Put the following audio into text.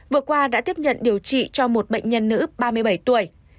vừa qua đã tiếp nhận điều trị cho một bệnh nhân nữ ba mươi bảy tuổi